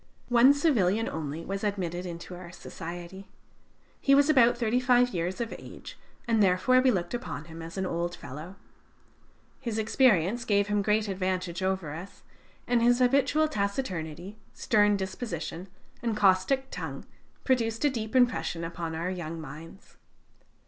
One civilian only was admitted into our society. He was about thirty five years of age, and therefore we looked upon him as an old fellow. His experience gave him great advantage over us, and his habitual taciturnity, stern disposition, and caustic tongue produced a deep impression upon our young minds.